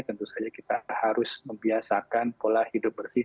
tentu saja kita harus membiasakan pola hidup bersih